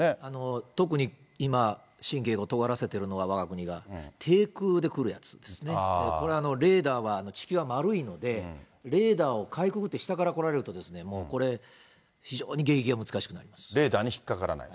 特に今、神経をとがらせているのが、わが国が、低空で来るやつですね、これはレーダーは地球は丸いので、レーダーをかいくぐって、下から来られると、もうこれ、レーダーに引っ掛からない。